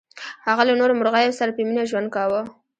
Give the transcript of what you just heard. هغه له نورو مرغیو سره په مینه ژوند کاوه.